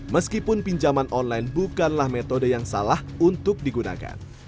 meskipun pinjaman online bukanlah metode yang salah untuk digunakan